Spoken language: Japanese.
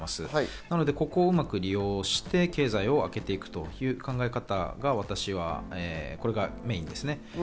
なのでここをうまく利用して経済を回していくという考え方が私がこれがメインです。